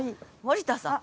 森田さん。